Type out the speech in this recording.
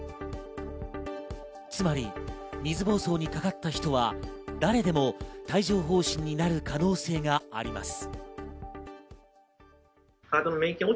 つまり、水ぼうそうにかかった人は誰でも帯状疱疹になる可能性があります。